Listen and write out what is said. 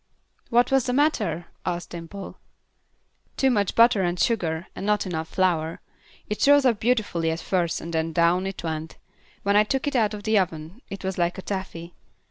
"What was the matter?" asked Dimple. "Too much butter and sugar, and not enough flour; it rose up beautiful at first and then down it went; when I took it out of the oven it was like taffy.